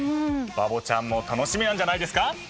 バボちゃんも楽しみなんじゃないですか？